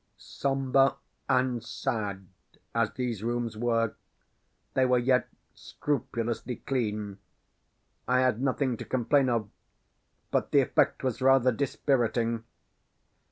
Sombre and sad as these rooms were, they were yet scrupulously clean. I had nothing to complain of; but the effect was rather dispiriting.